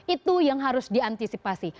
itu yang harus diantisipasi